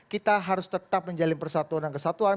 kita harus tetap menjalin persatuan dan kesatuan